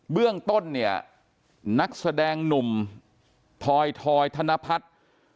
เบื้องต้นเนี่ยนักแสดงหนุ่มทอยธนพัฒน์